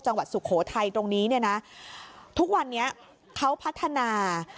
สุโขทัยตรงนี้เนี่ยนะทุกวันนี้เขาพัฒนา